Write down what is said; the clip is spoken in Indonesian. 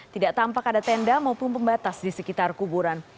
tidak tampak ada tenda maupun pembatas di sekitar kuburan